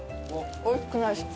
おいしくないですか？